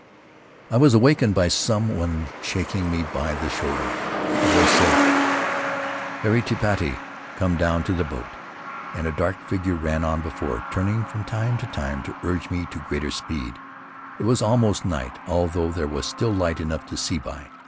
I was awakened by some one shaking me by the shoulder. A voice said, " Haere i te pai! "(" Come down to the boat!") and a dark figure ran on before, turning from time to time to urge me to greater speed. It was almost night, although there was still light enough to see by.